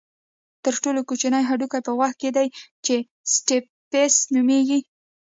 تر ټولو کوچنی هډوکی په غوږ کې دی چې سټیپس نومېږي.